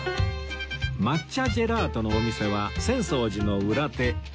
抹茶ジェラートのお店は浅草寺の裏手